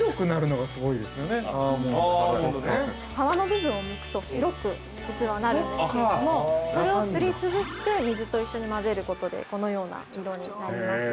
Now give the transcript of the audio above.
◆皮の部分をむくと白く実は、なるんですけどもそれをすり潰して水と一緒に混ぜることでこのような色になります。